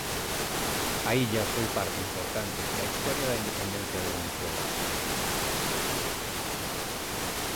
A illa foi parte importante da historia da independencia de Venezuela.